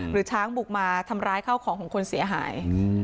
หรือช้างบุกมาทำร้ายข้าวของของคนเสียหาย